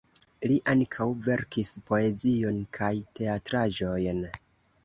Li ankaŭ verkis poezion kaj teatraĵojn.